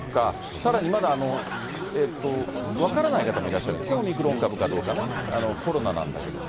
さらにまだ分からない方もいらっしゃるんですね、オミクロン株かどうかね、コロナなんだけれども。